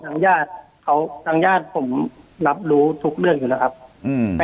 สังญาติผมรับรู้ทุกเรื่องอยู่แล้วครับ